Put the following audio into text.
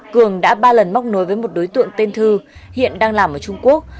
cường đã ba lần móc nối với một đối tượng tên thư hiện đang làm ở trung quốc